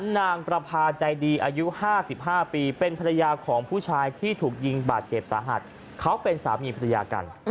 นางประพาใจดีอายุ๕๕ปีเป็นภรรยาของผู้ชายที่ถูกยิงบาดเจ็บสาหัสเขาเป็นสามีภรรยากัน